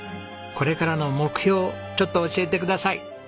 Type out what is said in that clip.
これからの目標ちょっと教えてください。